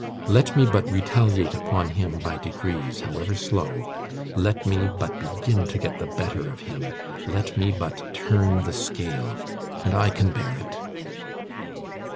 Let me but retaliate upon him, by degrees, however slow let me but begin to get the better of him, let me but turn the scale and I can bear it.